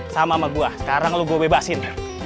sama sama gua sekarang lu gue bebasin